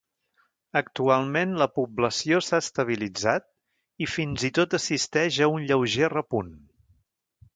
Actualment la població s'ha estabilitzat i fins i tot assisteix a un lleuger repunt.